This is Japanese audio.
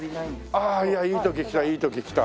ああいやいい時に来たいい時に来た。